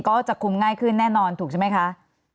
ก็จะคุมง่ายขึ้นแน่นอนถูกใช่ไหมคะ